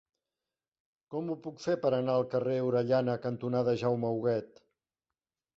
Com ho puc fer per anar al carrer Orellana cantonada Jaume Huguet?